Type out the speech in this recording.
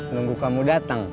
nunggu kamu datang